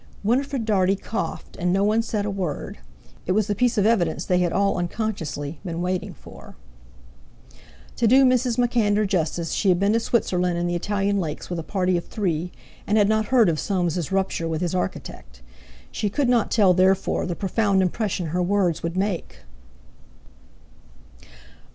Winifred Dartie coughed, and no one said a word. It was the piece of evidence they had all unconsciously been waiting for. To do Mrs. MacAnder justice, she had been to Switzerland and the Italian lakes with a party of three, and had not heard of Soames's rupture with his architect. She could not tell, therefore, the profound impression her words would make.